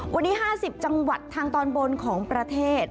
วันนี้๕๐จังหวัดทางตอนบนของประเทศ